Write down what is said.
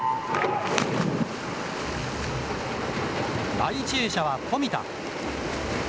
第１泳者は富田。